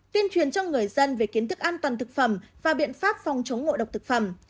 tuyên truyền cho người dân về kiến thức an toàn thực phẩm và biện pháp phòng chống ngộ độc thực phẩm